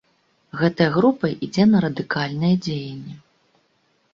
Гэтая група ідзе на радыкальныя дзеянні.